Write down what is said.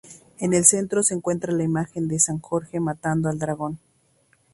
En el centro se encuentra la imagen de San Jorge matando al dragón.